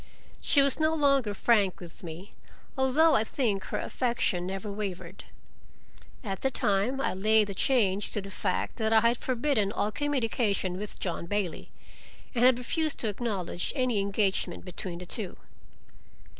She was no longer frank with me, although I think her affection never wavered. At the time I laid the change to the fact that I had forbidden all communication with John Bailey, and had refused to acknowledge any engagement between the two.